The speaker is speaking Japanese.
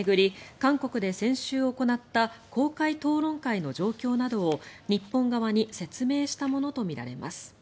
韓国で先週行った公開討論会の状況などを日本側に説明したものとみられます。